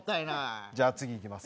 じゃあ次いきます。